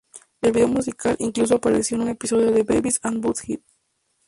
El video musical incluso apareció en un episodio de "Beavis and Butt-Head".